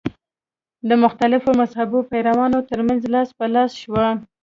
د مختلفو مذهبي پیروانو تر منځ لاس په لاس شوه.